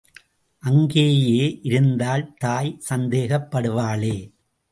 அங்கேயே இருந்தால் தாய் சந்தேகப் படுவாளே!